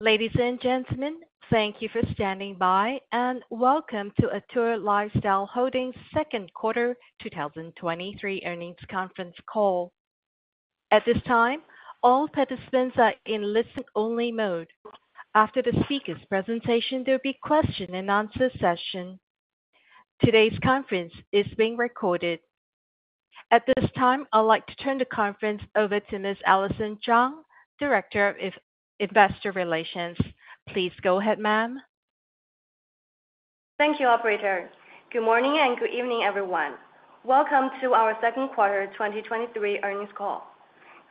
Ladies and gentlemen, thank you for standing by, and welcome to Atour Lifestyle Holdings second quarter 2023 earnings conference call. At this time, all participants are in listen-only mode. After the speaker's presentation, there'll be question and answer session. Today's conference is being recorded. At this time, I'd like to turn the conference over to Ms. Allison Zhang, Director of Investor Relations. Please go ahead, ma'am. Thank you, operator. Good morning and good evening, everyone. Welcome to our second quarter 2023 earnings call.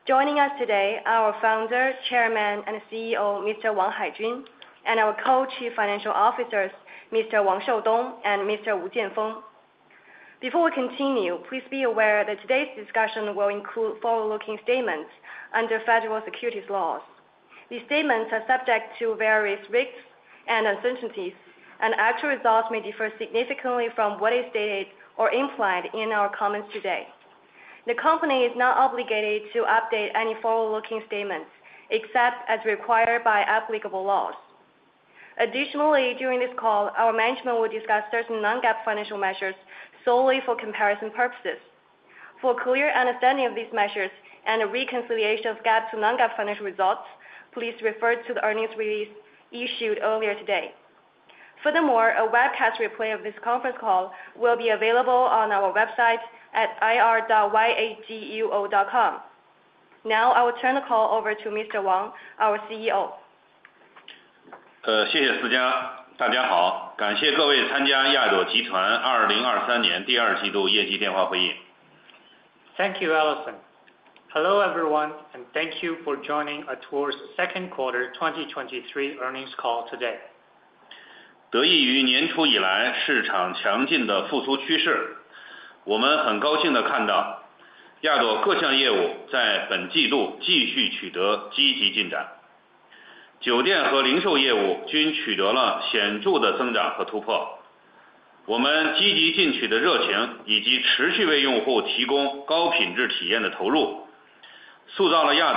Joining us today, our Founder, Chairman, and CEO, Mr. Haijun Wang, and our Co-Chief Financial Officers, Mr. Shoudong Wang and Mr. Jianfeng Wu. Before we continue, please be aware that today's discussion will include forward-looking statements under federal securities laws. These statements are subject to various risks and uncertainties. Actual results may differ significantly from what is stated or implied in our comments today. The company is not obligated to update any forward-looking statements, except as required by applicable laws. Additionally, during this call, our management will discuss certain Non-GAAP financial measures solely for comparison purposes. For a clear understanding of these measures and a reconciliation of GAAP to Non-GAAP financial results, please refer to the earnings release issued earlier today. A webcast replay of this conference call will be available on our website at ir.yaduo.com. I will turn the call over to Mr. Wang, our CEO. Thank you, Sijia. Thank you, Allison. Hello, everyone, and thank you for joining Atour's 2Q 2023 earnings call today. We are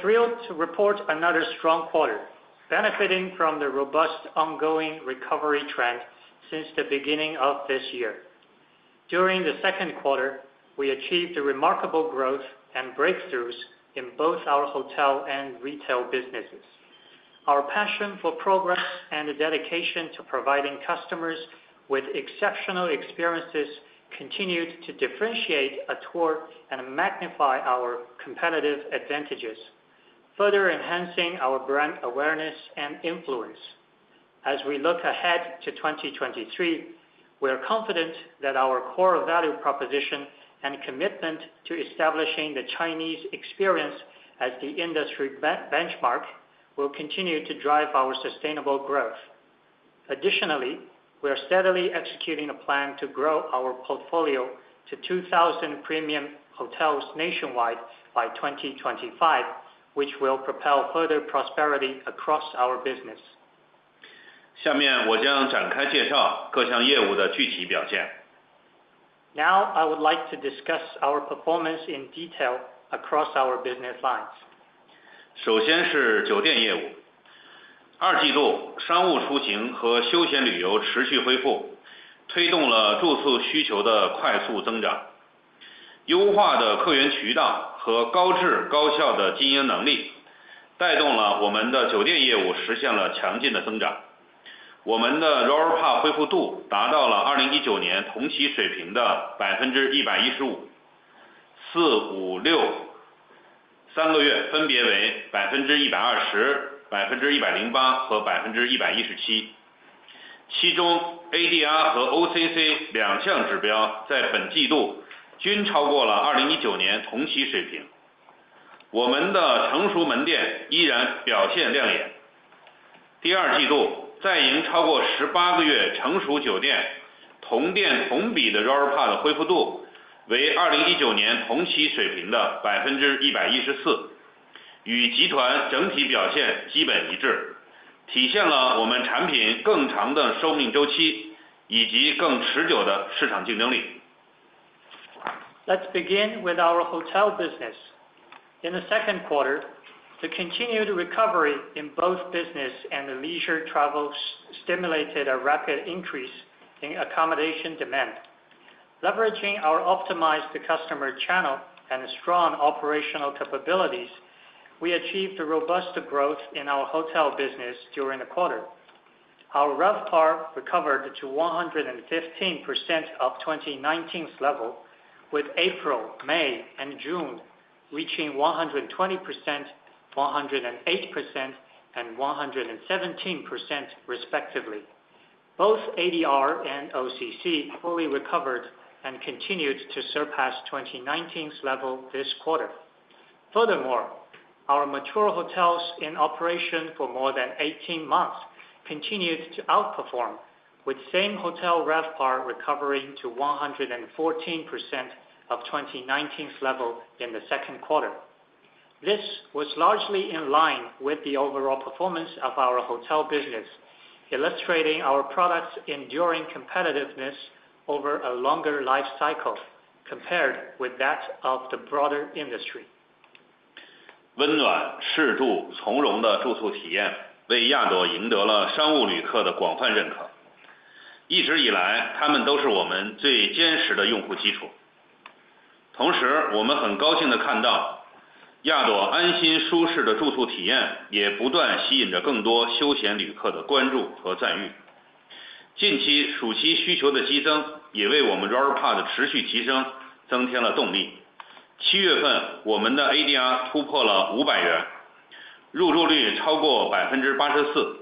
thrilled to report another strong quarter, benefiting from the robust ongoing recovery trend since the beginning of this year. During the 2Q, we achieved a remarkable growth and breakthroughs in both our hotel and retail businesses. Our passion for progress and the dedication to providing customers with exceptional experiences continued to differentiate Atour and magnify our competitive advantages, further enhancing our brand awareness and influence. As we look ahead to 2023, we are confident that our core value proposition and commitment to establishing the Chinese experience as the industry benchmark will continue to drive our sustainable growth. Additionally, we are steadily executing a plan to grow our portfolio to 2,000 premium hotels nationwide by 2025, which will propel further prosperity across our business. Now, I would like to discuss our performance in detail across our business lines. Let's begin with our hotel business. In the second quarter, the continued recovery in both business and leisure travels stimulated a rapid increase in accommodation demand. Leveraging our optimized customer channel and strong operational capabilities, we achieved a robust growth in our hotel business during the quarter. Our RevPAR recovered to 115% of 2019's level, with April, May, and June reaching 120%, 108%, and 117%, respectively. Both ADR and OCC fully recovered and continued to surpass 2019's level this quarter.... Our mature hotels in operation for more than 18 months continued to outperform, with same hotel RevPAR recovering to 114% of 2019's level in the second quarter. This was largely in line with the overall performance of our hotel business, illustrating our product's enduring competitiveness over a longer life cycle compared with that of the broader industry. 温暖、适度、从容的住宿体 验， 为亚朵赢得了商务旅客的广泛认可。一直以 来， 他们都是我们最坚实的用户基础。同 时， 我们很高兴地看 到， 亚朵安心舒适的住宿体 验， 也不断吸引着更多休闲旅客的关注和赞誉。近 期， 暑期需求的激增也为我们 RevPAR 的持续提升增添了动力。七月 份， 我们的 ADR 突破了五百 元， 入住率超过百分之八十 四，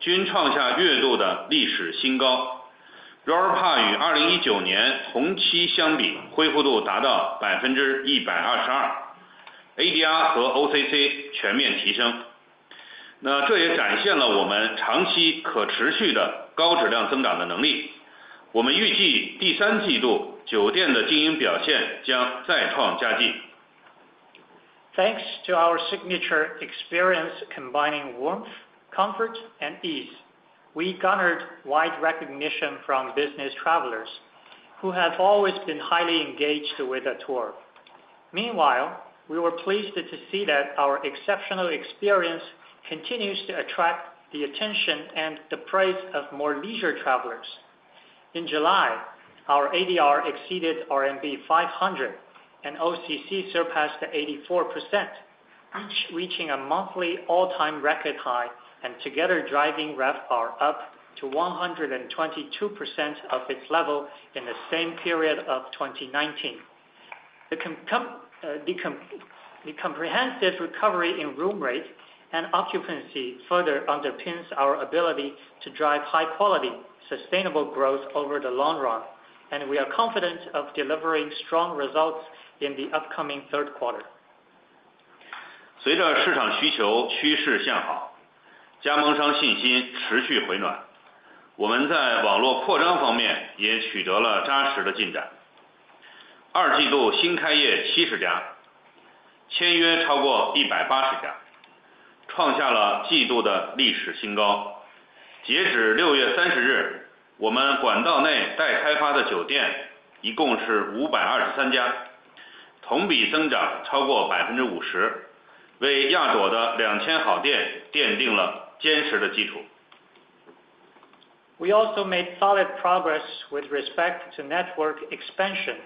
均创下月度的历史新高。RevPAR 与二零一九年同期相 比， 恢复度达到百分之一百二十二 ，ADR 和 OCC 全面提 升， 那这也展现了我们长期可持续的高质量增长的能力。我们预计第三季度酒店的经营表现将再创佳绩。Thanks to our signature experience combining warmth, comfort, and ease, we garnered wide recognition from business travelers, who have always been highly engaged with Atour. Meanwhile, we were pleased to see that our exceptional experience continues to attract the attention and the praise of more leisure travelers. In July, our ADR exceeded RMB 500, and OCC surpassed to 84%, reaching a monthly all-time record high, and together driving RevPAR up to 122% of its level in the same period of 2019. The comprehensive recovery in room rate and occupancy further underpins our ability to drive high quality, sustainable growth over the long run, and we are confident of delivering strong results in the upcoming third quarter. 随着市场需求趋势向 好， 加盟商信心持续回 暖， 我们在网络扩张方面也取得了扎实的进展。二季度新开业70 家， 签约超过180 家， 创下了季度的历史新高。截止6月30 日， 我们管道内待开发的酒店一共是523 家， 同比增长超过 50%， 为亚朵的 2,000 好店奠定了坚实的基础。We also made solid progress with respect to network expansion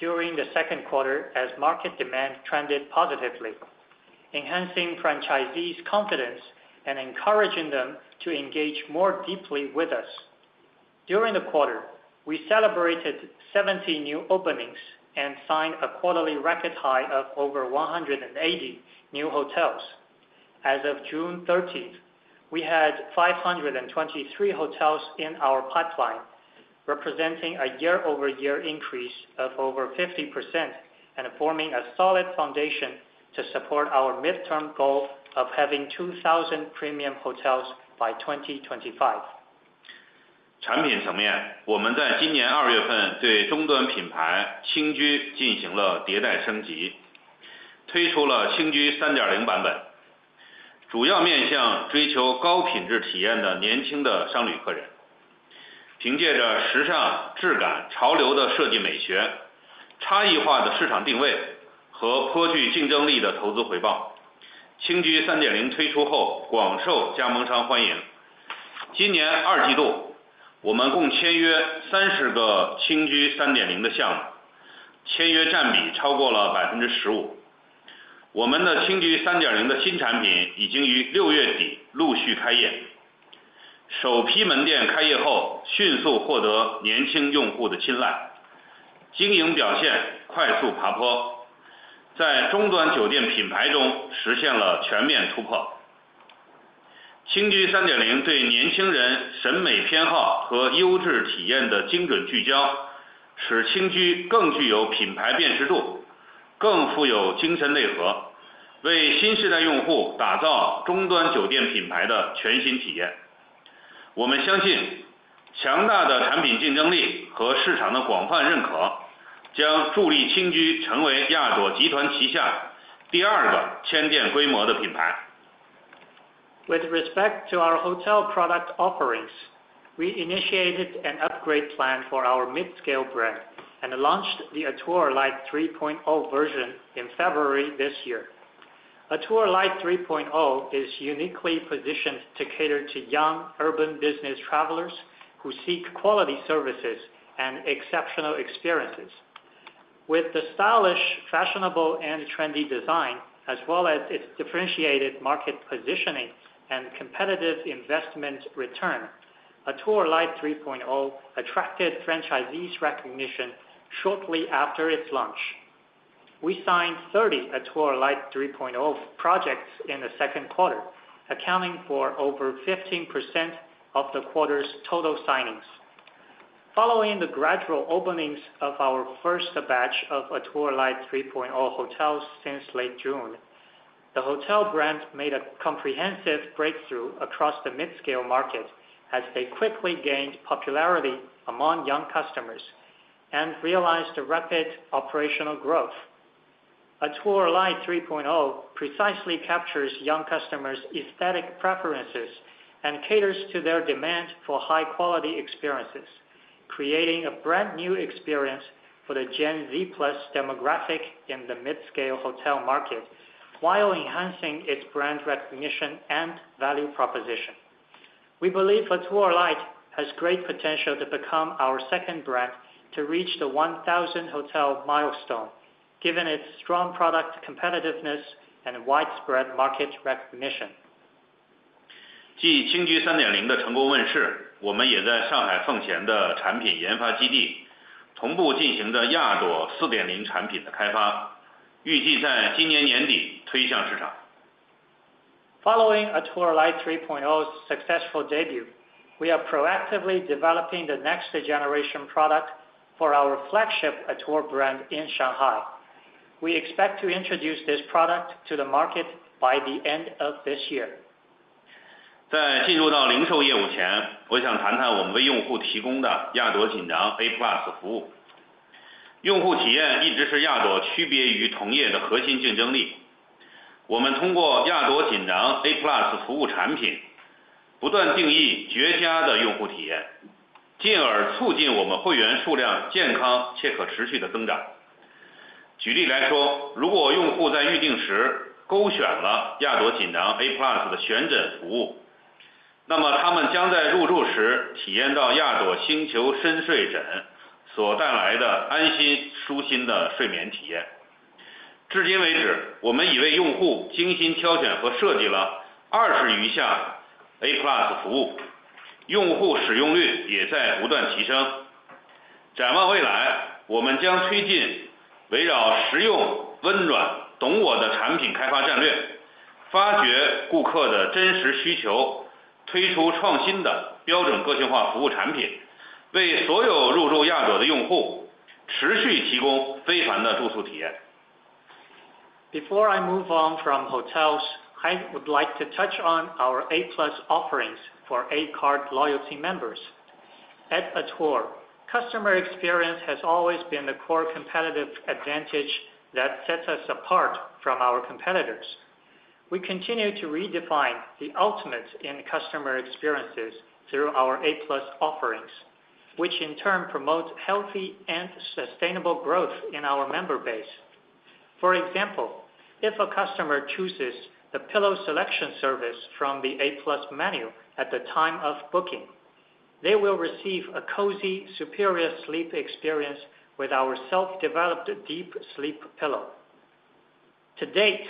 during the second quarter as market demand trended positively, enhancing franchisees' confidence and encouraging them to engage more deeply with us. During the quarter, we celebrated 70 new openings and signed a quarterly record high of over 180 new hotels. As of June 30th, we had 523 hotels in our pipeline, representing a year-over-year increase of over 50%, and forming a solid foundation to support our midterm goal of having 2,000 premium hotels by 2025. 产品层 面， 我们在今年二月份对中端品牌轻居进行了迭代升 级， 推出了轻居三点零版 本， 主要面向追求高品质体验的年轻的商旅客人。凭借着时尚、质感、潮流的设计美 学， 差异化的市场定位和颇具竞争力的投资回 报， 轻居三点零推出 后， 广受加盟商欢迎。今年二季 度， 我们共签约三十个轻居三点零的项 目， 签约占比超过了百分之十五。我们的轻居三点零的新产品已经于六月底陆续开 业， 首批门店开业 后， 迅速获得年轻用户的青 睐， 经营表现快速爬 坡， 在中端酒店品牌中实现了全面突破。轻居三点零对年轻人审美偏好和优质体验的精准聚 焦， 使轻居更具有品牌辨识度，更富有精神内 核， 为新时代用户打造中端酒店品牌的全新体验。我们相 信， 强大的产品竞争力和市场的广泛认 可， 将助力轻居成为亚朵集团旗下第二个千店规模的品牌。With respect to our hotel product offerings, we initiated an upgrade plan for our midscale brand and launched the Atour Light 3.0 version in February this year. Atour Light 3.0 is uniquely positioned to cater to young, urban business travelers who seek quality services and exceptional experiences. With the stylish, fashionable, and trendy design, as well as its differentiated market positioning and competitive investment return, Atour Light 3.0 attracted franchisees' recognition shortly after its launch. We signed 30 Atour Light 3.0 projects in the second quarter, accounting for over 15% of the quarter's total signings....Following the gradual openings of our first batch of Atour Light 3.0 hotels since late June, the hotel brand made a comprehensive breakthrough across the mid-scale market as they quickly gained popularity among young customers and realized a rapid operational growth. Atour Light 3.0 precisely captures young customers' aesthetic preferences and caters to their demand for high-quality experiences, creating a brand new experience for the Gen Z+ demographic in the mid-scale hotel market, while enhancing its brand recognition and value proposition. We believe Atour Light has great potential to become our second brand to reach the 1,000 hotel milestone, given its strong product competitiveness and widespread market recognition. Following Atour Light 3.0's successful debut, we are proactively developing the next generation product for our flagship Atour brand in Shanghai. We expect to introduce this product to the market by the end of this year. Before I move on from hotels, I would like to touch on our A+ offerings for A-Card loyalty members. At Atour, customer experience has always been the core competitive advantage that sets us apart from our competitors. We continue to redefine the ultimate in customer experiences through our A+ offerings, which in turn promotes healthy and sustainable growth in our member base. For example, if a customer chooses the pillow selection service from the A+ menu at the time of booking, they will receive a cozy, superior sleep experience with our self-developed Deep Sleep Pillow. To date,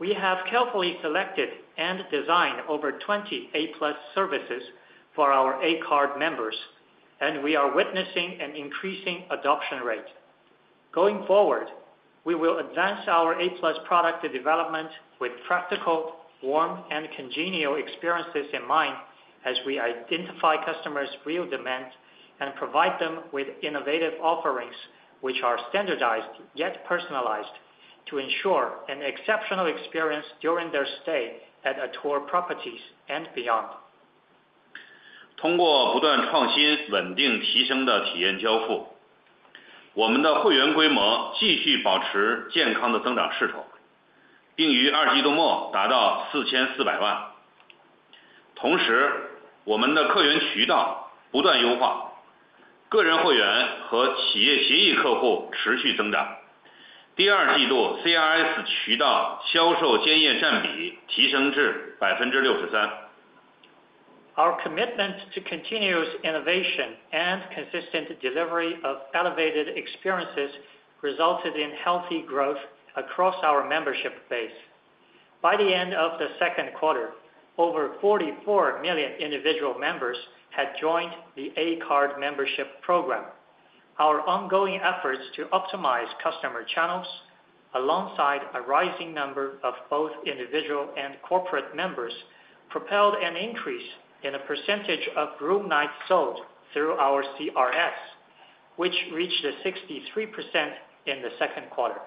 we have carefully selected and designed over 20 A+ services for our A-Card members, and we are witnessing an increasing adoption rate. Going forward, we will advance our A+ product development with practical, warm, and congenial experiences in mind as we identify customers' real demand and provide them with innovative offerings, which are standardized, yet personalized, to ensure an exceptional experience during their stay at Atour properties and beyond. Our commitment to continuous innovation and consistent delivery of elevated experiences resulted in healthy growth across our membership base. By the end of the second quarter, over 44 million individual members had joined the A-Card membership program. Our ongoing efforts to optimize customer channels, alongside a rising number of both individual and corporate members, propelled an increase in the percentage of room nights sold through our CRS, which reached a 63% in the second quarter.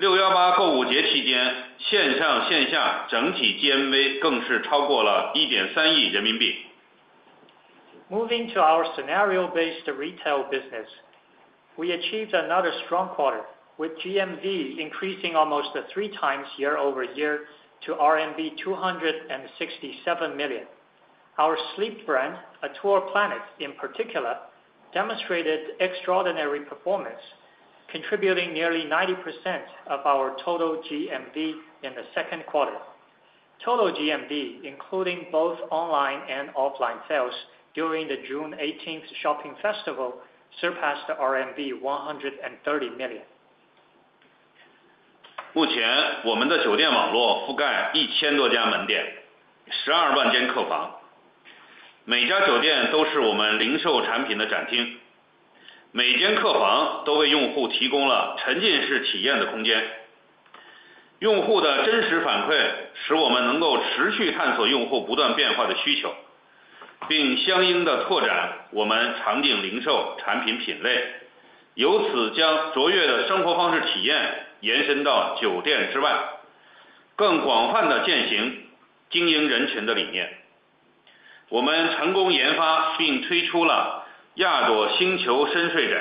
Moving to our scenario-based retail business, we achieved another strong quarter, with GMV increasing almost 3x year-over-year to RMB 267 million. Our sleep brand, Atour Planet, in particular, demonstrated extraordinary performance, contributing nearly 90% of our total GMV in the second quarter. Total GMV, including both online and offline sales during the June 18th Shopping Festival, surpassed the RMB 130 million. 目 前， 我们的酒店网络覆盖一千多家门 店， 十二万间客房。每家酒店都是我们零售产品的展 厅， 每间客房都为用户提供了沉浸式体验的空间。用户的真实反 馈， 使我们能够持续探索用户不断变化的需 求， 并相应地拓展我们场景零售产品品 类， 由此将卓越的生活方式体验延伸到酒店之 外， 更广泛地践行经营人情的理念。我们成功研发并推出了亚朵星球深睡 枕，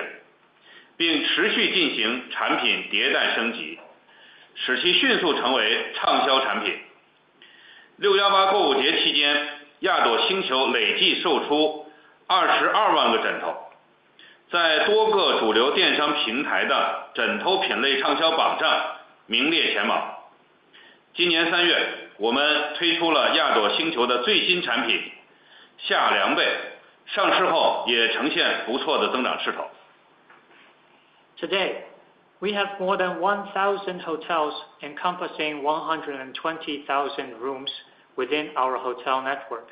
并持续进行产品迭代升 级， 使其迅速成为畅销产品。六一八购物节期 间， 亚朵星球累计售出二十二万个枕 头， 在多个主流电商平台的枕头品类畅销榜上名列前茅。今年三 月， 我们推出了亚朵星球的最新产 品， 夏凉 被， 上市后也呈现不错的增长势头。Today, we have more than 1,000 hotels encompassing 120,000 rooms within our hotel network.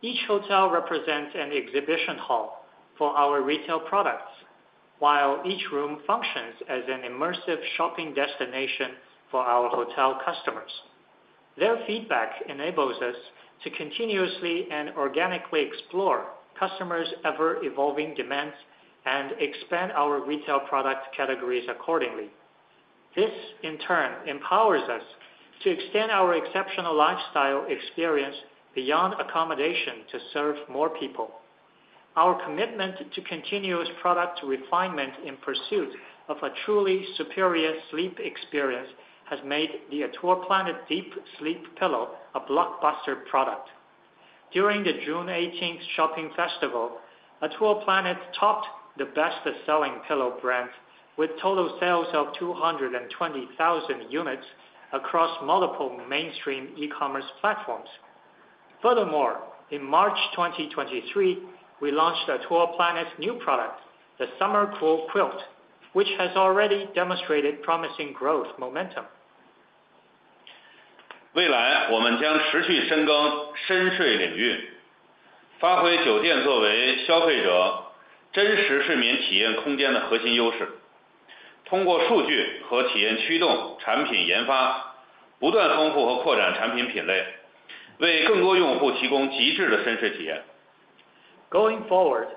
Each hotel represents an exhibition hall for our retail products, while each room functions as an immersive shopping destination for our hotel customers. Their feedback enables us to continuously and organically explore customers' ever-evolving demands and expand our retail product categories accordingly. This, in turn, empowers us to extend our exceptional lifestyle experience beyond accommodation to serve more people. Our commitment to continuous product refinement in pursuit of a truly superior sleep experience has made the Atour Planet Deep Sleep Pillow a blockbuster product. During the June 18th Shopping Festival, Atour Planet topped the best-selling pillow brands with total sales of 220,000 units across multiple mainstream e-commerce platforms. Furthermore, in March 2023, we launched Atour Planet's new product, the Summer Cool Quilt, which has already demonstrated promising growth momentum. 未 来， 我们将持续深耕深睡领 域， 发挥酒店作为消费者真实睡眠体验空间的核心优 势， 通过数据和体验驱动产品研 发， 不断丰富和扩展产品品 类， 为更多用户提供极致的深睡体验。Going forward,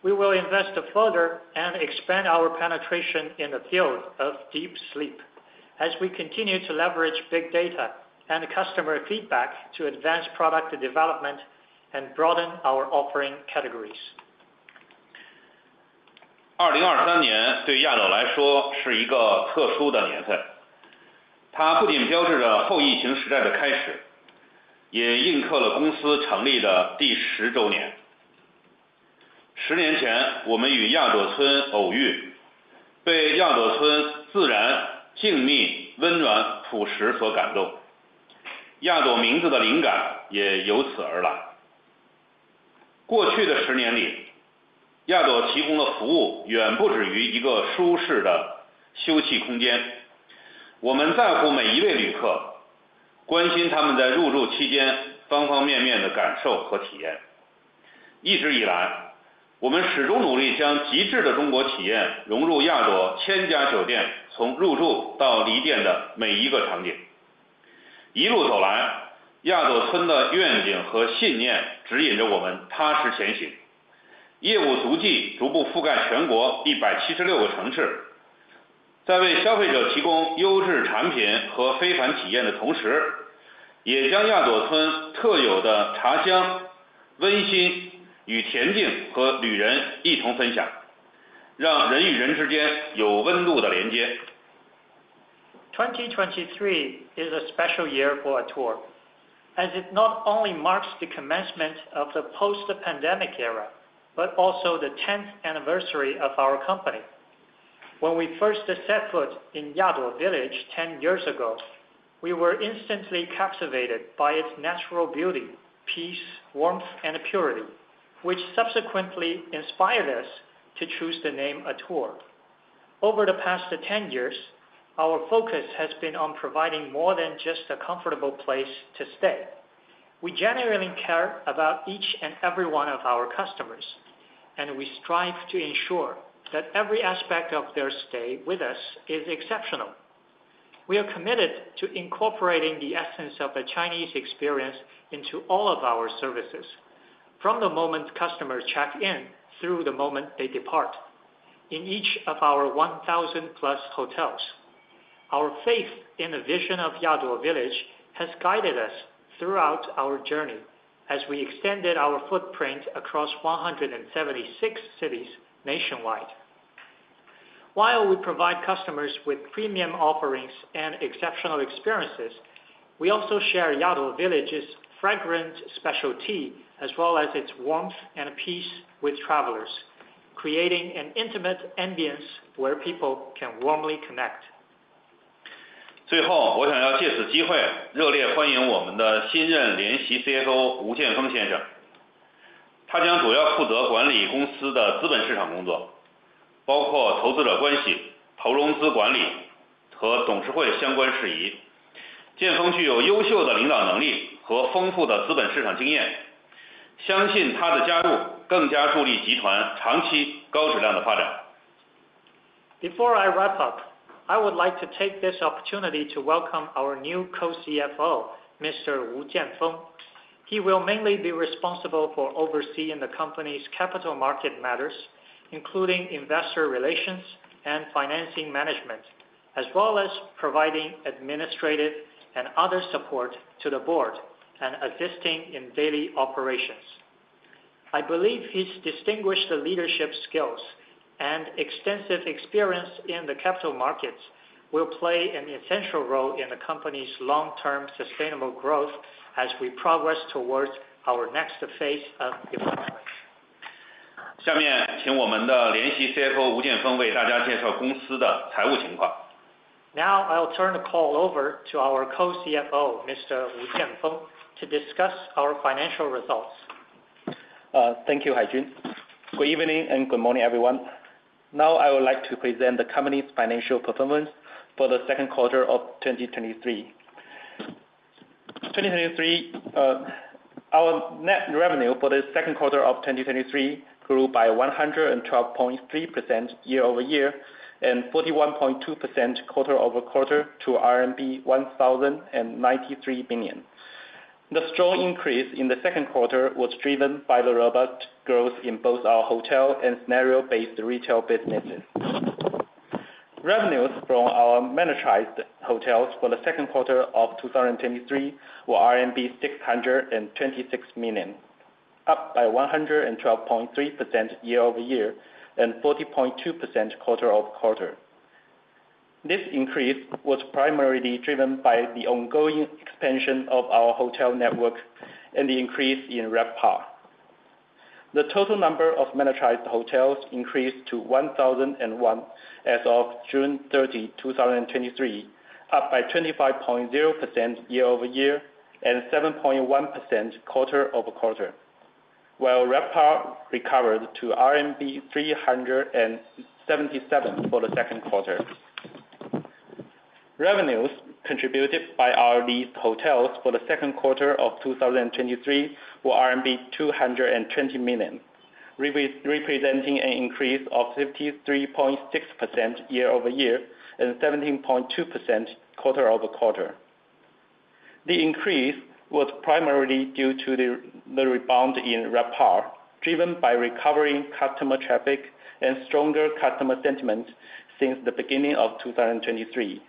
we will invest further and expand our penetration in the field of deep sleep, as we continue to leverage big data and customer feedback to advance product development and broaden our offering categories. 二零二三年对亚朵来说是一个特殊的年 份， 它不仅标志着后疫情时代的开 始， 也印刻了公司成立的第十周年。十年 前， 我们与亚朵村偶 遇， 被亚朵村自然、静谧、温暖、朴实所感 动， 亚朵名字的灵感也由此而来。过去的十年 里， 亚朵提供的服务远不止于一个舒适的休憩空间。我们在乎每一位旅 客， 关心他们在入住期间方方面面的感受和体验。一直以 来， 我们始终努力将极致的中国体验融入亚朵千家酒 店， 从入住到离店的每一个场景。一路走 来， 亚朵村的愿景和信念指引着我们踏实前 行， 业务足迹逐步覆盖全国一百七十六个城市。在为消费者提供优质产品和非凡体验的同 时， 也将亚朵村特有的茶香、温馨与恬静和旅人一同分 享， 让人与人之间有温度的连接。2023 is a special year for Atour, as it not only marks the commencement of the post-pandemic era, but also the 10th anniversary of our company. When we first set foot in Yaduo Village 10 years ago, we were instantly captivated by its natural beauty, peace, warmth, and purity, which subsequently inspired us to choose the name Atour. Over the past 10 years, our focus has been on providing more than just a comfortable place to stay. We genuinely care about each and every one of our customers, and we strive to ensure that every aspect of their stay with us is exceptional. We are committed to incorporating the essence of a Chinese experience into all of our services, from the moment customers check in through the moment they depart, in each of our 1,000+ hotels. Our faith in the vision of Yado Village has guided us throughout our journey as we extended our footprint across 176 cities nationwide. While we provide customers with premium offerings and exceptional experiences, we also share Yado Village's fragrant specialty, as well as its warmth and peace with travelers.... creating an intimate ambiance where people can warmly connect. 最 后， 我想要借此机 会， 热烈欢迎我们的新任联席 CFO 吴剑峰先生。他将主要负责管理公司的资本市场工 作， 包括投资者关 系， 投融资管理和董事会相关事宜。剑锋具有优秀的领导能力和丰富的资本市场经 验， 相信他的加入更加助力集团长期高质量的发展。Before I wrap up, I would like to take this opportunity to welcome our new Co-CFO, Mr. Jianfeng Wu. He will mainly be responsible for overseeing the company's capital market matters, including investor relations and financing management, as well as providing administrative and other support to the board and assisting in daily operations. I believe his distinguished leadership skills and extensive experience in the capital markets will play an essential role in the company's long-term sustainable growth as we progress towards our next phase of development. 下面请我们的联席 Co-CFO Jianfeng Wu 为大家介绍公司的财务情 况. Now, I'll turn the call over to our Co-CFO, Mr. Jianfeng Wu, to discuss our financial results. Thank you, Haijun. Good evening, and good morning, everyone. Now, I would like to present the company's financial performance for the second quarter of 2023. 2023, our net revenue for the second quarter of 2023 grew by 112.3% year-over-year, and 41.2% quarter-over-quarter to RMB 1,093 billion. The strong increase in the second quarter was driven by the robust growth in both our hotel and scenario-based retail businesses. Revenues from our managed hotels for the second quarter of 2023 were RMB 626 million, up by 112.3% year-over-year, and 40.2% quarter-over-quarter. This increase was primarily driven by the ongoing expansion of our hotel network and the increase in RevPAR. The total number of managed hotels increased to 1,001 as of June 30th, 2023, up by 25.0% year-over-year, and 7.1% quarter-over-quarter, while RevPAR recovered to RMB 377 for the second quarter. Revenues contributed by our leased hotels for the second quarter of 2023 were RMB 220 million, representing an increase of 53.6% year-over-year, and 17.2% quarter-over-quarter. The increase was primarily due to the rebound in RevPAR, driven by recovering customer traffic and stronger customer sentiment since the beginning of 2023.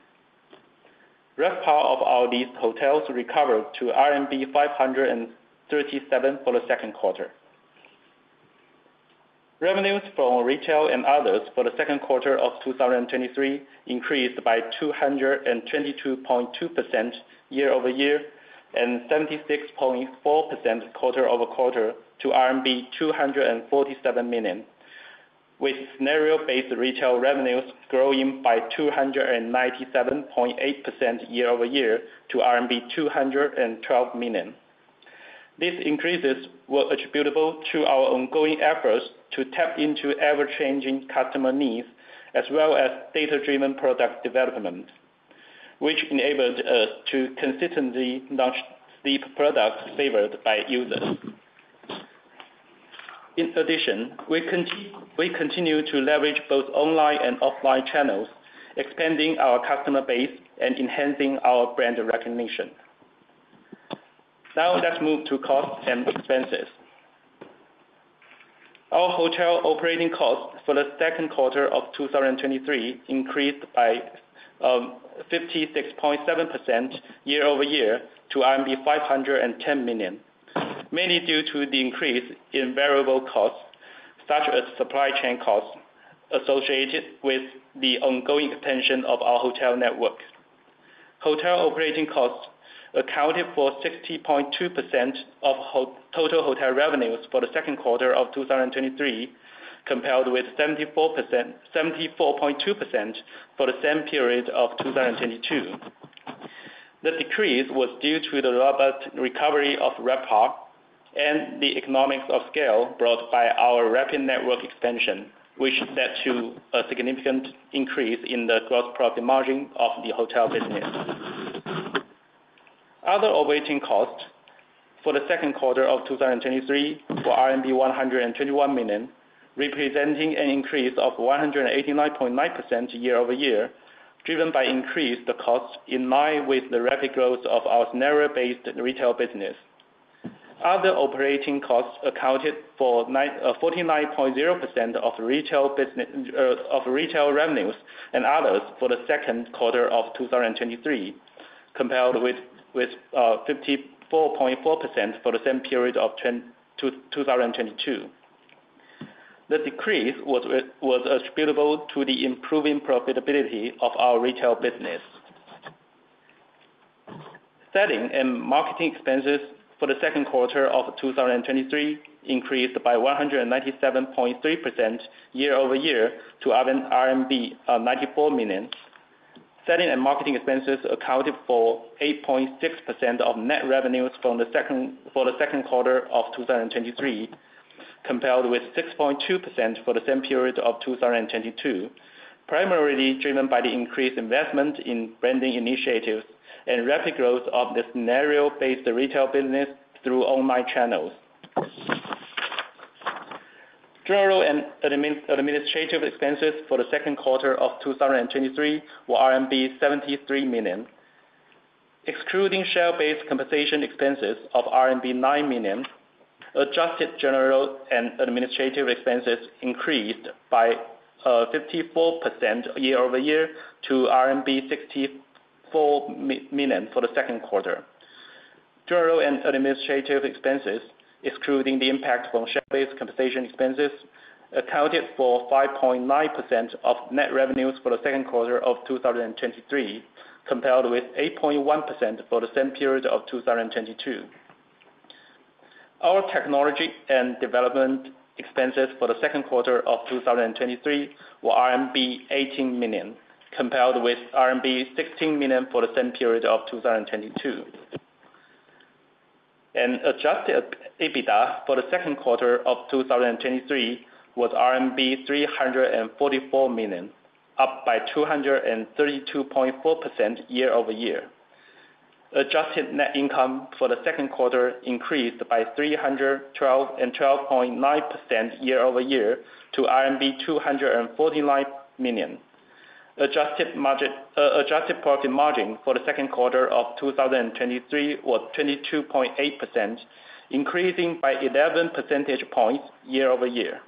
RevPAR of our leased hotels recovered to RMB 537 for the second quarter. Revenues from retail and others for the second quarter of 2023 increased by 222.2% year-over-year and 76.4% quarter-over-quarter to RMB 247 million, with scenario-based retail revenues growing by 297.8% year-over-year to RMB 212 million. These increases were attributable to our ongoing efforts to tap into ever-changing customer needs, as well as data-driven product development, which enabled us to consistently launch the products favored by users. In addition, we continue to leverage both online and offline channels, expanding our customer base and enhancing our brand recognition. Now, let's move to costs and expenses. Our hotel operating costs for the second quarter of 2023 increased by 56.7% year-over-year to RMB 510 million, mainly due to the increase in variable costs, such as supply chain costs, associated with the ongoing expansion of our hotel network. Hotel operating costs accounted for 60.2% of total hotel revenues for the second quarter of 2023, compared with 74.2% for the same period of 2022. The decrease was due to the robust recovery of RevPAR and the economics of scale brought by our rapid network expansion, which led to a significant increase in the gross profit margin of the hotel business. Other operating costs for the second quarter of 2023 were RMB 121 million, representing an increase of 189.9% year-over-year, driven by increased costs in line with the rapid growth of our scenario-based retail business. Other operating costs accounted for 49.0% of retail revenues and others for the second quarter of 2023, compared with 54.4% for the same period of 2022. The decrease was attributable to the improving profitability of our retail business. Selling and marketing expenses for the second quarter of 2023 increased by 197.3% year-over-year to RMB 94 million. Selling and marketing expenses accounted for 8.6% of net revenues for the second quarter of 2023, compared with 6.2% for the same period of 2022, primarily driven by the increased investment in branding initiatives and rapid growth of the scenario-based retail business through online channels. General and administrative expenses for the second quarter of 2023 were RMB 73 million. Excluding share-based compensation expenses of RMB 9 million, adjusted general and administrative expenses increased by 54% year-over-year to RMB 64 million for the second quarter. General and administrative expenses, excluding the impact from share-based compensation expenses, accounted for 5.9% of net revenues for the second quarter of 2023, compared with 8.1% for the same period of 2022. Our technology and development expenses for the second quarter of 2023 were RMB 18 million, compared with RMB 16 million for the same period of 2022. Adjusted EBITDA for the second quarter of 2023 was RMB 344 million, up by 232.4% year-over-year. Adjusted net income for the second quarter increased by 312.9% year-over-year to RMB 249 million. Adjusted margin, adjusted profit margin for the second quarter of 2023 was 22.8%, increasing by 11 percentage points year-over-year.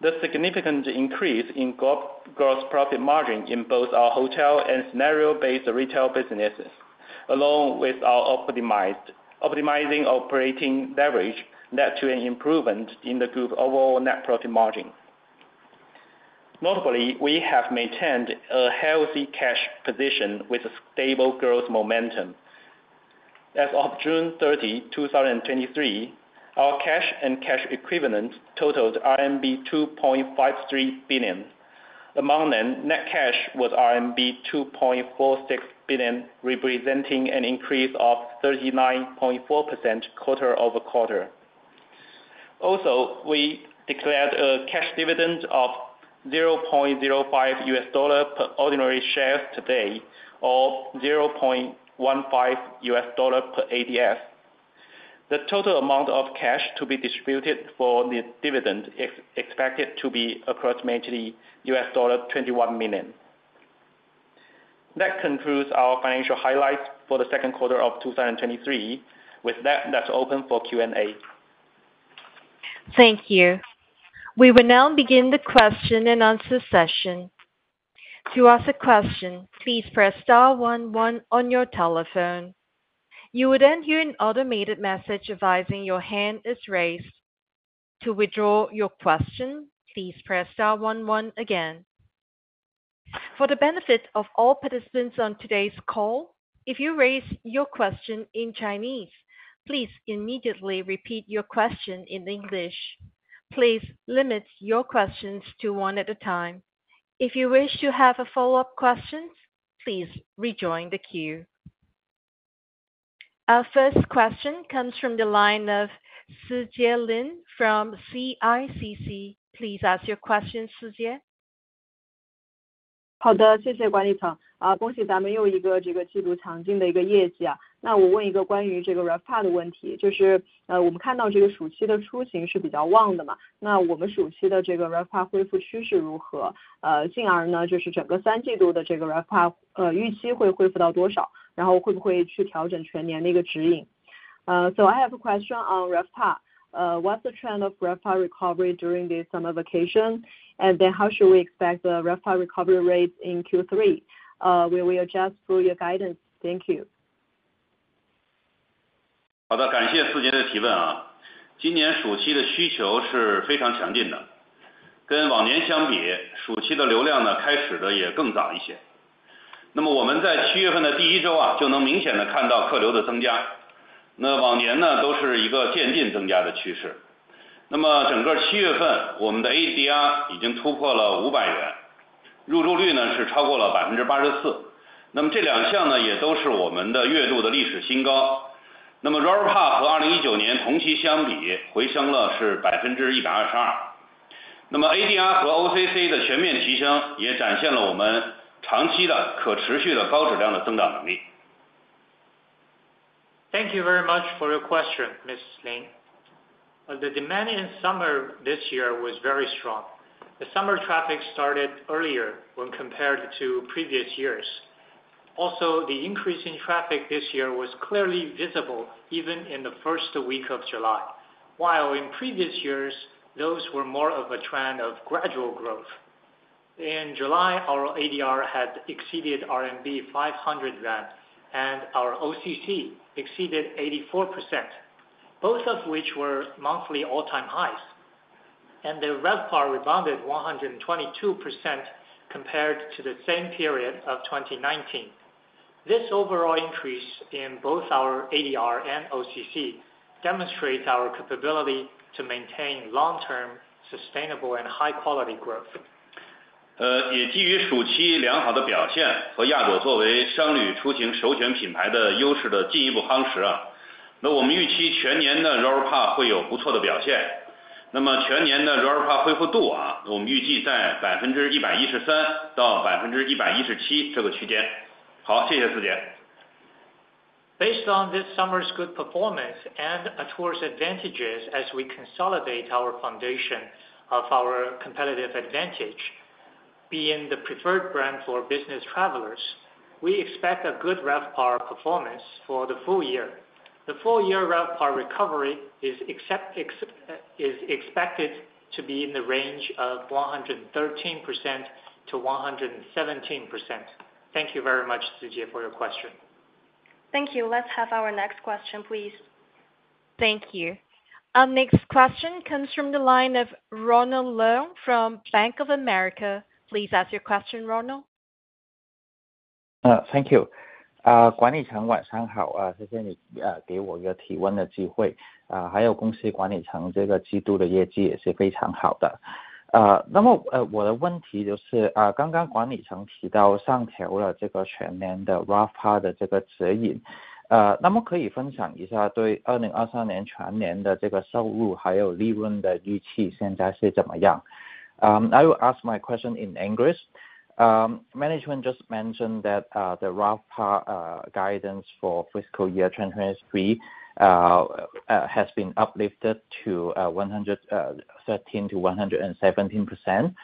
The significant increase in gross profit margin in both our hotel and scenario-based retail businesses, along with our optimized, optimizing operating leverage, led to an improvement in the group's overall net profit margin. Notably, we have maintained a healthy cash position with a stable growth momentum. As of June 30th, 2023, our cash and cash equivalents totaled RMB 2.53 billion. Among them, net cash was RMB 2.46 billion, representing an increase of 39.4% quarter-over-quarter. We declared a cash dividend of $0.05 per ordinary share today or $0.15 per ADS. The total amount of cash to be distributed for the dividend is expected to be approximately $21 million. That concludes our financial highlights for the second quarter of 2023. With that, let's open for Q&A. Thank you. We will now begin the question and answer session. To ask a question, please press star one one on your telephone. You would then hear an automated message advising your hand is raised. To withdraw your question, please press star one one again. For the benefit of all participants on today's call, if you raise your question in Chinese, please immediately repeat your question in English. Please limit your questions to one at a time. If you wish to have a follow-up questions, please rejoin the queue. Our first question comes from the line of Sijie Lin from CICC. Please ask your question, Sijie. I have a question on RevPAR. What's the trend of RevPAR recovery during the summer vacation? How should we expect the RevPAR recovery rate in Q3? Will we adjust through your guidance? Thank you. Thank you very much for your question, Ms. Lin. The demand in summer this year was very strong. The summer traffic started earlier when compared to previous years. Also, the increase in traffic this year was clearly visible even in the first week of July, while in previous years, those were more of a trend of gradual growth. In July, our ADR had exceeded RMB 500, and our OCC exceeded 84%, both of which were monthly all-time highs.... the RevPAR rebounded 122% compared to the same period of 2019. This overall increase in both our ADR and OCC demonstrates our capability to maintain long-term, sustainable, and high-quality growth. 语基于暑期良好的表 现， 和 Atour 作为商旅出行首选品牌的优势的进一步夯 实， 那我们预期全年的 RevPAR 会有不错的表现。那么全年的 RevPAR 恢复 度， 我们预计在 113%-117% 这个区间。好， 谢谢 Sijie。Based on this summer's good performance and towards advantages as we consolidate our foundation of our competitive advantage, being the preferred brand for business travelers, we expect a good RevPAR performance for the full year. The full year RevPAR recovery is expected to be in the range of 113%-117%. Thank you very much, Sijie, for your question. Thank you. Let's have our next question, please. Thank you. Our next question comes from the line of Ronald Leung from Bank of America. Please ask your question, Ronald. Uh, thank you. Uh, 管理层晚上 好， 啊， 谢谢 你， 呃， 给我一个提问的机会。呃， 还有公司管理 层， 这个季度的业绩也是非常好的。呃， 那 么， 呃， 我的问题就 是， 呃， 刚刚管理层提到上调了这个全年的 RevPAR 的这个指 引， 呃， 那么可以分享一下对二零二三年全年的这个收 入， 还有利润的预 期， 现在是怎么 样？ Um, I will ask my question in English. Management just mentioned that the RevPAR guidance for fiscal year 2023 has been uplifted to 113%-117%.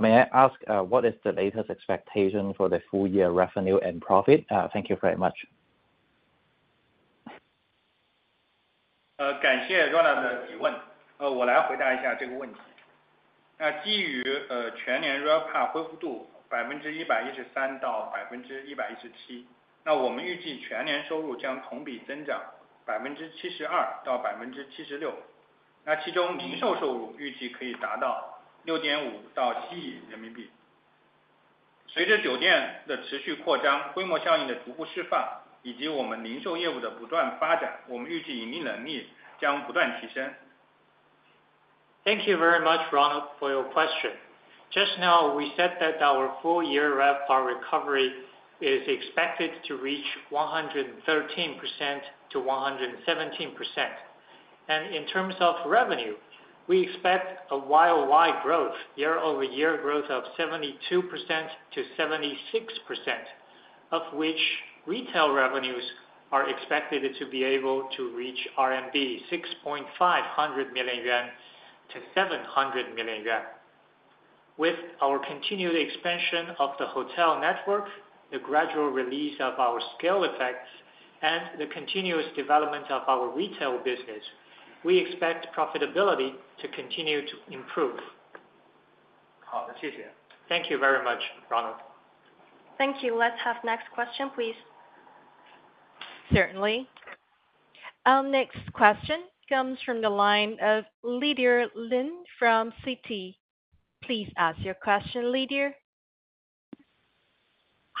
May I ask what is the latest expectation for the full year revenue and profit? Thank you very much. 呃， 感谢 Ronald 的提 问， 呃， 我来回答一下这个问题。那基 于， 呃， 全年 RevPAR 恢复度百分之一百一十三到百分之一百一十 七， 那我们预计全年收入将同比增长百分之七十二到百分之七十 六， 那其中零售收入预计可以达到六点五到七亿人民币。随着酒店的持续扩 张， 规模效应的逐步释 放， 以及我们零售业务的不断发 展， 我们预计盈利能力将不断提升。Thank you very much, Ronald, for your question. Just now, we said that our full year RevPAR recovery is expected to reach 113%-117%. In terms of revenue, we expect a YY growth, year-over-year growth of 72%-76%, of which retail revenues are expected to be able to reach 6.5 million-700 million yuan. With our continued expansion of the hotel network, the gradual release of our scale effects, and the continuous development of our retail business, we expect profitability to continue to improve. 好 的, 谢 谢. Thank you very much, Ronald. Thank you. Let's have next question, please. Certainly. Our next question comes from the line of Lydia Ling from Citi. Please ask your question,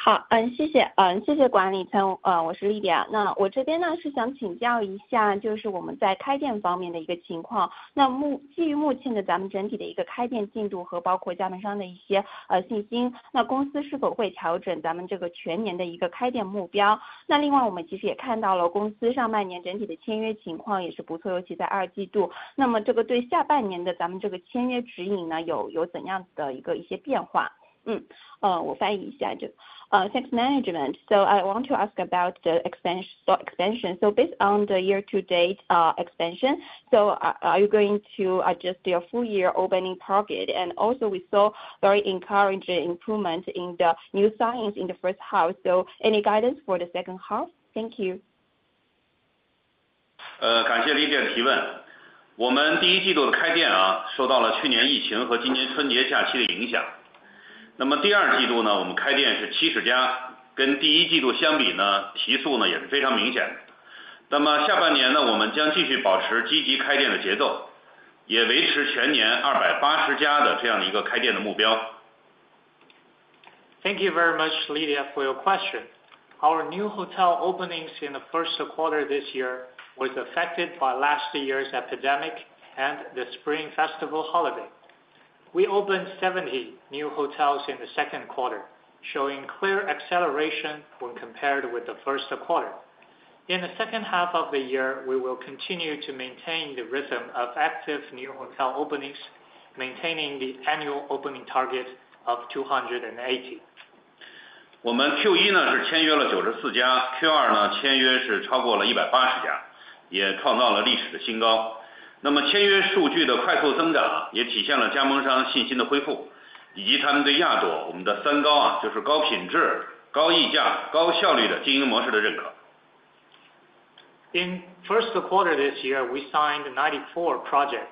Lydia. 好，谢谢。谢谢管理层，我是 Lydia。那 我这边 呢， 是想请教一 下， 就是我们在开店方面的一个情况。那基于目前的咱们整体的一个开店进度和包括加盟商的一些信 心， 公司是否会调整咱们这个全年的一个开店目 标？ 另 外， 我们其实也看到了公司上半年整体的签约情况也是不 错， 尤其在二季度。这个对下半年的咱们这个签约指引 呢， 有怎样的一些变化。我翻译一 下， 就... Thanks management. I want to ask about the expansion. Based on the year-to-date expansion, are you going to adjust your full-year opening target? Also we saw very encouraging improvement in the new signings in the first half. Any guidance for the second half? Thank you. 呃， 感谢 Lydia 的提问。我们第一季度的开店 啊， 受到了去年疫情和今年春节假期的影响。那么第二季度 呢， 我们开店是七十 家， 跟第一季度相比 呢， 提速呢也是非常明显的。那么下半年 呢， 我们将继续保持积极开店的节 奏， 也维持全年二百八十家的这样一个开店的目标。Thank you very much, Lydia, for your question. Our new hotel openings in the first quarter this year was affected by last year's epidemic and the Spring Festival holiday. We opened 70 new hotels in the second quarter, showing clear acceleration when compared with the first quarter. In the second half of the year, we will continue to maintain the rhythm of active new hotel openings, maintaining the annual opening target of 280. 我们 Q1 呢， 是签约了九十四家 ，Q2 呢， 签约是超过了一百八十 家， 也创造了历史的新高。那么签约数据的快速增 长， 也体现了加盟商信心的恢 复， 以及他们对亚朵我们的三高 啊， 就是高品质、高溢价、高效率的经营模式的认可。In first quarter this year, we signed 94 projects.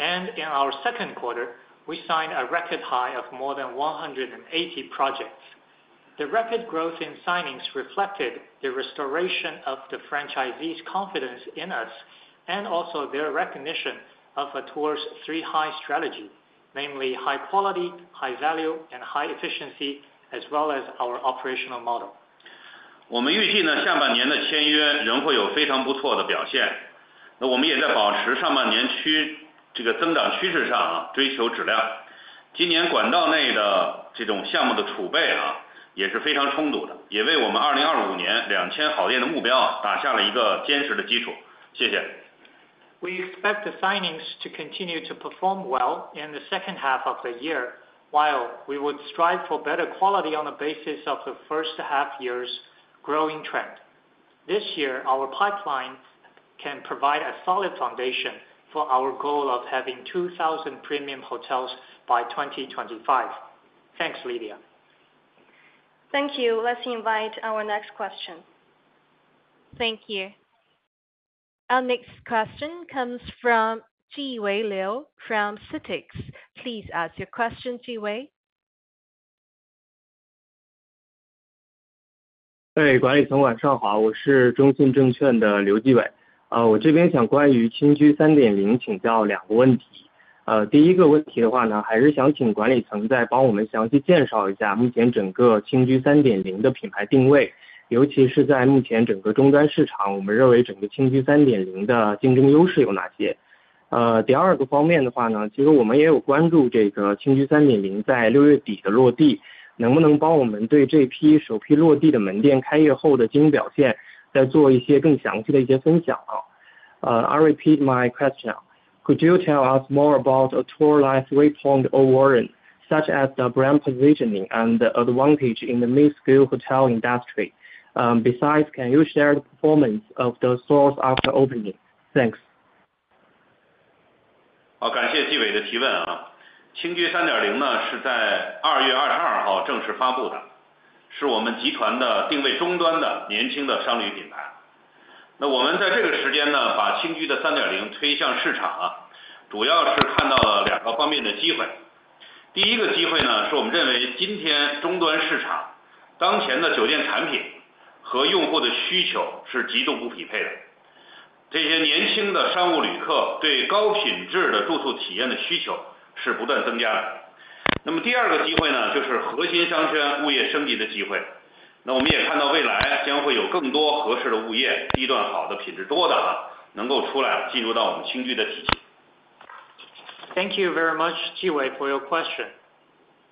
In our second quarter, we signed a record high of more than 180 projects. The rapid growth in signings reflected the restoration of the franchisees' confidence in us and also their recognition of Atour's three high strategy, namely high quality, high value, and high efficiency, as well as our operational model. 我们预计 呢， 下半年的签约仍会有非常不错的表 现， 那我们也在保持上半年趋--这个增长趋势上 啊， 追求质量。今年管道内的这种项目的储备 啊， 也是非常充足 的， 也为我们二零二五年两千好店的目标打下了一个坚实的基础。谢谢。We expect the signings to continue to perform well in the second half of the year, while we would strive for better quality on the basis of the first half year's growing trend. This year, our pipeline can provide a solid foundation for our goal of having 2,000 premium hotels by 2025. Thanks, Lydia. Thank you. Let's invite our next question. Thank you. Our next question comes from Wei Liu from CITIC Securities. Please ask your question, Jiwei. 对， 管理 层， 晚上 好， 我是中信证券的刘继伟。呃， 我这边想关于轻居三点零请教两个问题。呃， 第一个问题的话 呢， 还是想请管理层再帮我们详细介绍一下目前整个轻居三点零的品牌定 位， 尤其是在目前整个终端市 场， 我们认为整个轻居三点零的竞争优势有哪 些？ 呃， 第二个方面的话 呢， 其实我们也有关注这个轻居三点零在六月底的落 地， 能不能帮我们对这批首批落地的门店开业后的经营表现再做一些更详细的一些分享呢 ？Uh, I'll repeat my question. Could you tell us more about Atour Light 3.0, such as the brand positioning and the advantage in the midscale hotel industry? Besides, can you share the performance of those stores after opening? Thanks. 好， 感谢继伟的提问啊。轻居三点零 呢， 是在二月二十二号正式发布 的， 是我们集团的定位中端的年轻的商旅品牌。那我们在这个时间 呢， 把轻居的三点零推向市场 啊， 主要是看到了两个方面的机会。第一个机会 呢， 是我们认为今天中端市场当前的酒店产品和用户的需求是极度不匹配的。这些年轻的商务旅客对高品质的住宿体验的需求是不断增加的。那么第二个机会 呢， 就是核心商圈物业升级的机 会， 那我们也看到未来将会有更多合适的物 业， 地段好 的， 品质多的 啊， 能够出来进入到我们轻居的体系。Thank you very much, Jiwei, for your question.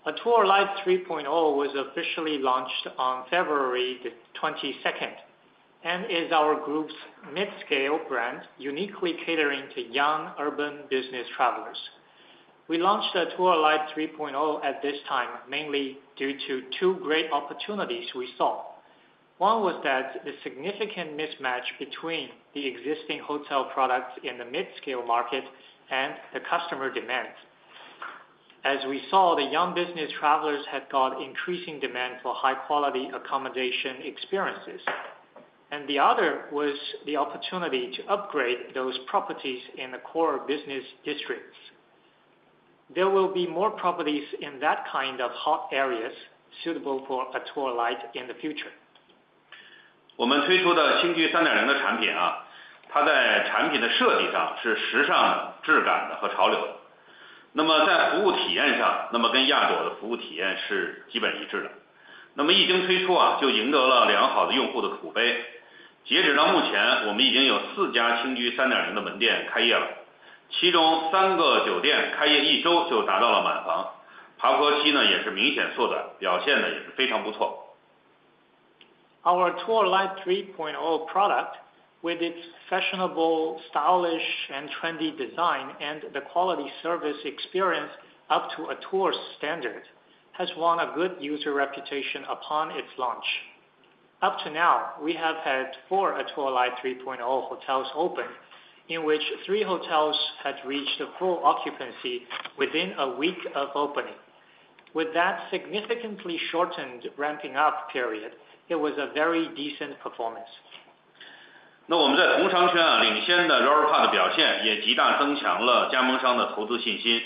Atour Light 3.0 was officially launched on February 22nd, and is our group's mid-scale brand, uniquely catering to young urban business travelers. We launched Atour Light 3.0 at this time, mainly due to 2 great opportunities we saw. 1 was that the significant mismatch between the existing hotel products in the mid-scale market and the customer demands. As we saw, the young business travelers had got increasing demand for high-quality accommodation experiences, and the other was the opportunity to upgrade those properties in the core business districts. There will be more properties in that kind of hot areas suitable for Atour Light in the future. 我们推出的轻居三点零的产品 啊， 它在产品的设计上是时尚的、质感的和潮流的。那么在服务体验 上， 那么跟亚朵的服务体验是基本一致的。那么一经推出 啊， 就赢得了良好的用户的口碑。截止到目 前， 我们已经有四家轻居三点零的门店开业 了， 其中三个酒店开业一周就达到了满 房， 爬坡期 呢， 也是明显缩 短， 表现呢也是非常不错。Our Atour Light 3.0 product, with its fashionable, stylish, and trendy design and the quality service experience up to Atour's standard, has won a good user reputation upon its launch. Up to now, we have had 4 Atour Light 3.0 hotels open, in which 3 hotels had reached a full occupancy within 1 week of opening. With that significantly shortened ramping up period, it was a very decent performance. 我们在同商圈领先的 RevPAR 的表 现， 也极大增强了加盟商的投资信心。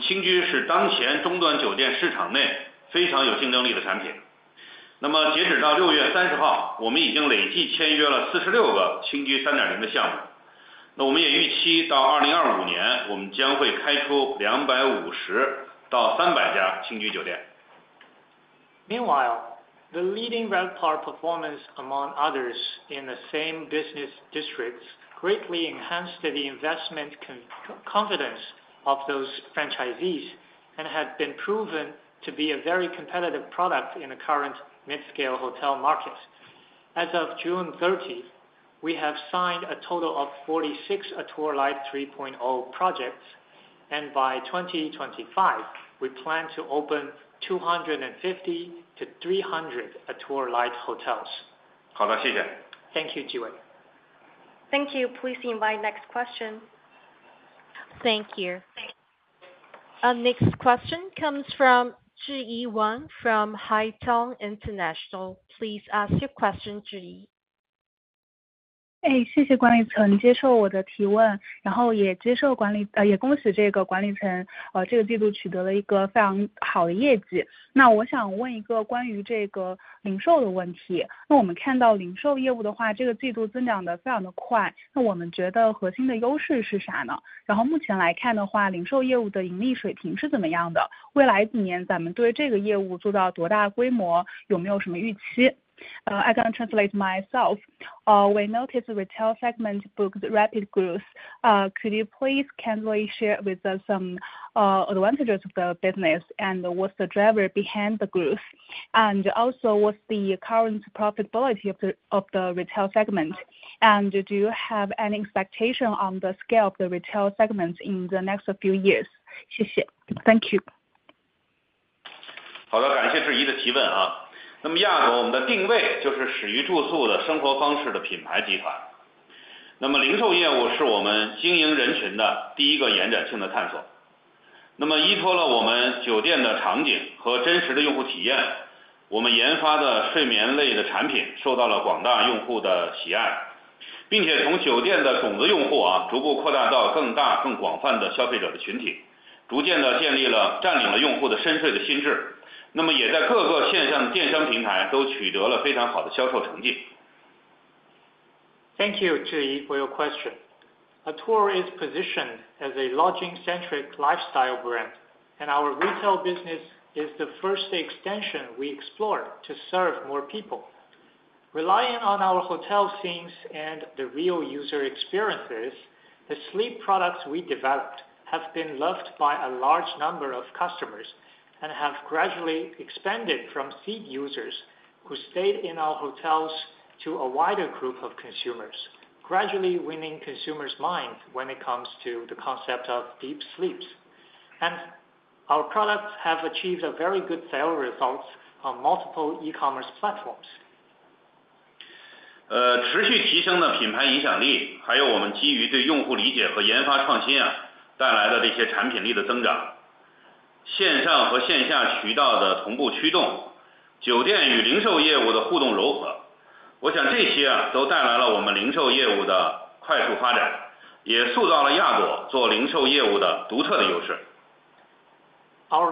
轻居是当前中端酒店市场内非常有竞争力的产品。截止到六月三十 号， 我们已经累计签约了46个轻居 3.0 的项 目， 我们也预期到2025 年， 我们将会开出250到300家轻居酒店。Meanwhile, the leading RevPAR performance among others in the same business districts, greatly enhanced the investment confidence of those franchisees, and had been proven to be a very competitive product in the current midscale hotel market. As of June 30th, we have signed a total of 46 Atour Light 3.0 projects, and by 2025, we plan to open 250-300 Atour Light hotels. 好 的, 谢 谢. Thank you, Jiwei. Thank you. Please invite next question. Thank you. Our next question comes from Zhiyi Wang from Haitong International. Please ask your question, Zhiyi. ...谢谢管理层接受我的提 问， 也接受管 理， 也恭喜这个管理 层， 这个季度取得了一个非常好的业绩。我想问一个关于这个零售的问 题， 我们看到零售业务的 话， 这个季度增长得非常的 快， 我们觉得核心的优势是啥 呢？ 目前来看的 话， 零售业务的盈利水平是怎么样 的， 未来几年咱们对这个业务做到多大规 模， 有没有什么预期？ I can translate myself. We notice retail segment book rapid growth, could you please share with us some advantages of the business and what's the driver behind the growth? Also what's the current profitability of the retail segment, and do you have an expectation on the scale of the retail segment in the next few years? 谢 谢, thank you. 好 的， 感谢质疑的提问啊。那么亚朵我们的定位就是始于住宿的生活方式的品牌集团。那么零售业务是我们经营人群的第一个延展性的探 索， 那么依托了我们酒店的场景和真实的用户体 验， 我们研发的睡眠类的产品受到了广大用户的喜 爱， 并且从酒店的种子用户 啊， 逐步扩大到更大、更广泛的消费者的群 体， 逐渐地建立了占领了用户的深睡的心智，那么也在各个线上的电商平台都取得了非常好的销售成绩。Thank you for your question. Atour is position as a lodging centric lifestyle brand. Our retail business is the first extension we explore to serve more people. Relying on our hotel scenes and the real user experiences, the sleep products we developed have been loved by a large number of customers and have gradually expanded from seed users who stayed in our hotels to a wider group of consumers, gradually winning consumers minds when it comes to the concept of deep sleep. Our products have achieved a very good sale results on multiple e-commerce platforms. 呃， 持续提升的品牌影响 力， 还有我们基于对用户理解和研发创新啊带来的这些产品力的增 长， 线上和线下渠道的同步驱 动， 酒店与零售业务的互动融 合， 我想这些 啊， 都带来了我们零售业务的快速发 展， 也塑造了亚朵做零售业务的独特的优势。Our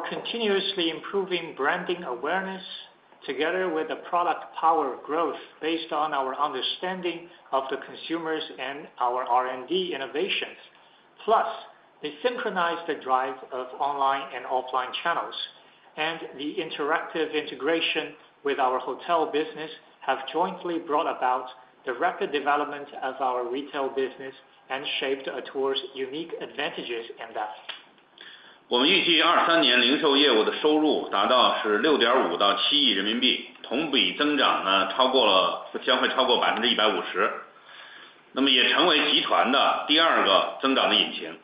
continuously improving branding awareness, together with the product power growth based on our understanding of the consumers and our R&D innovations. The synchronized drive of online and offline channels and the interactive integration with our hotel business have jointly brought about the rapid development of our retail business and shaped Atour's unique advantages in us. 我们预计二三年零售业务的收入达到十六点五到七亿人民 币， 同比增长呢超过 了， 将会超过百分之一百五 十， 那么也成为集团的第二个增长的引擎。同时 呢， 也代表着亚朵向着领先的生活方式品牌集团的愿景 啊， 更进一步。谢谢。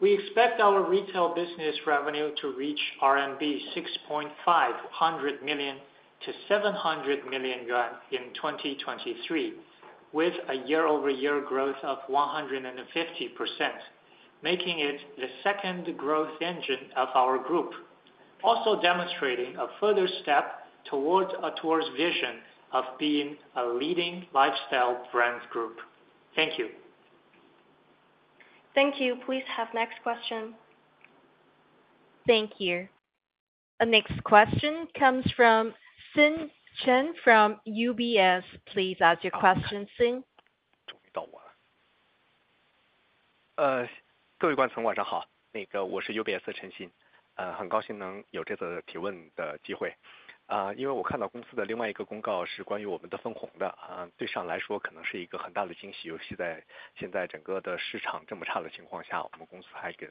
We expect our retail business revenue to reach 650 million-700 million yuan in 2023, with a year-over-year growth of 150%, making it the second growth engine of our group, also demonstrating a further step towards Atour's vision of being a leading lifestyle brand group. Thank you. Thank you. Please have next question. Thank you. The next question comes from Xin Chen from UBS. Please ask your question Xin. 终于到我了。呃， 各位观众晚上 好！ 那个我是 UBS 的陈 鑫， 呃， 很高兴能有这次提问的机会。啊， 因为我看到公司的另外一个公告是关于我们的分红 的， 啊， 对上来说可能是一个很大的惊 喜， 尤其在现在整个的市场这么差的情况 下， 我们公司还 给，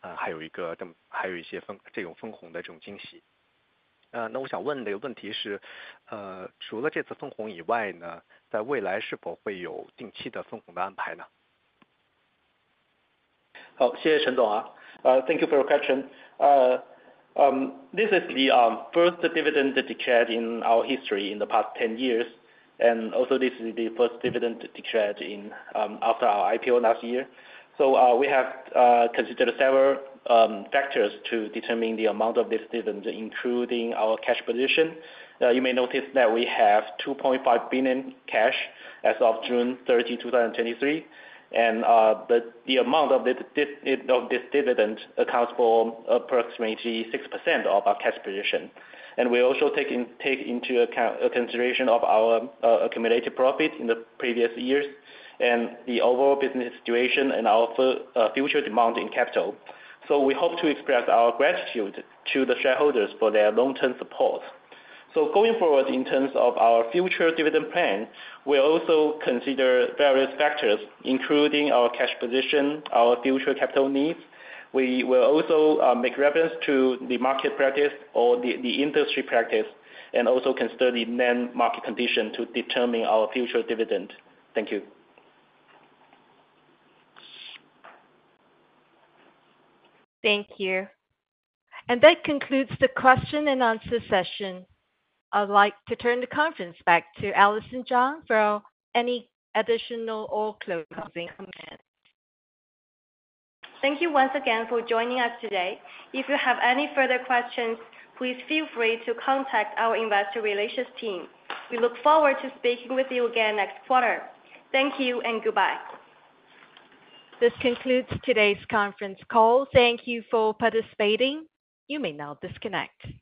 啊， 还有一 个， 这么还有一些分这种分红的这种惊喜。呃， 那我想问的一个问题 是， 呃， 除了这次分红以外 呢， 在未来是否会有定期的分红的安排 呢？ 好，谢谢 陈总。Thank you for your question. This is the first dividend declared in our history in the past 10 years, and also this is the first dividend declared after our IPO last year. We have considered several factors to determine the amount of this dividend, including our cash position. You may notice that we have $2.5 billion cash as of June 30th, 2023, and the amount of this dividend accounts for approximately 6% of our cash position, and we also take into account consideration of our accumulated profit in the previous years and the overall business situation and our future demand in capital. We hope to express our gratitude to the shareholders for their long-term support. Going forward, in terms of our future dividend plan, we also consider various factors, including our cash position, our future capital needs. We will also make reference to the market practice or the industry practice, and also consider the then market conditions to determine our future dividend. Thank you. Thank you. That concludes the question and answer session. I'd like to turn the conference back to Allison Zhang for any additional or closing comments. Thank you once again for joining us today. If you have any further questions, please feel free to contact our investor relations team. We look forward to speaking with you again next quarter. Thank you and goodbye. This concludes today's conference call. Thank you for participating. You may now disconnect.